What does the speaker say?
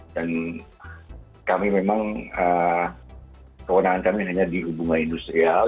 dan kami memang kewenangan kami hanya di umumnya industrial